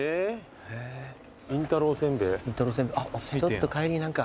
ちょっと帰り何か。